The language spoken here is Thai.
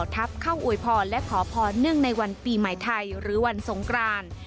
ทัพเข้าอวยพรและขอพรเนื่องในวันปีใหม่ไทยหรือวันสงคราน